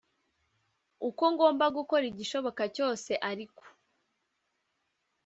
uko ngomba gukora igishoboka cyose ariko